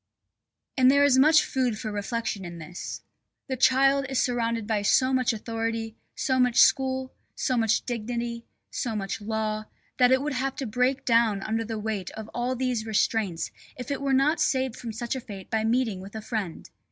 And there is much food for reflection in this. The child is surrounded by so much authority, so much school, so much dignity, so much law, that it would have to break down under the weight of all these restraints if it were not saved from such a fate by meeting with a friend.